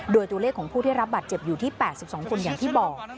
โดยตัวเลขของผู้ได้รับบาดเจ็บอยู่ที่๘๒คนอย่างที่บอก